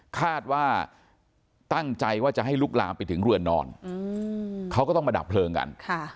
คาดว่าตั้งใจว่าจะให้ลุกลามไปถึงเรือนนอนเขาก็ต้องมาดับเพลิงกัน